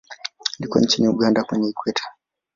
Liko nchini Uganda kwenye Ikweta.